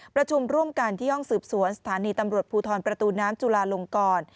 ประชุมร่วมกันที่ห้องสืบสวนสถานีตำรวจภูทรประตูน้ำจุลาลงกร